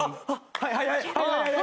はいはいはい。